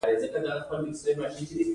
زه د موټرو په جوړولو کې له تجربې ګټه اخلم